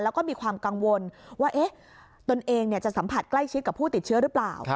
แล้วก็มีความกังวลว่าตนเองจะสัมผัสใกล้ชิดกับผู้ติดเชื้อหรือเปล่า